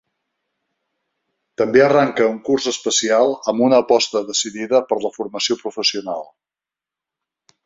També arranca un curs especial amb una aposta decidida per la formació professional.